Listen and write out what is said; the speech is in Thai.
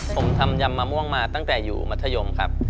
ผมทำยำมะม่วงมาตั้งแต่อยู่มัธยมครับ